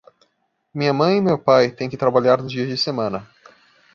Minha mãe e meu pai têm que trabalhar nos dias de semana.